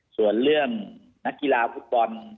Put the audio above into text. ส่วนเรื่องนักกีฬาฟุตบอล